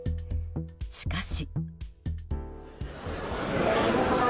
しかし。